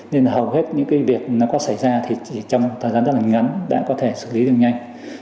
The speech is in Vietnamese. nên là hầu hết những cái việc nó có xảy ra thì chỉ trong thời gian rất là ngắn đã có thể xử lý được nhanh